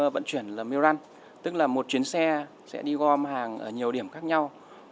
vận chuyển là miran tức là một chuyến xe sẽ đi gom hàng ở nhiều điểm khác nhau